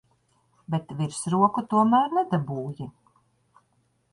Bet virsroku tomēr nedabūji.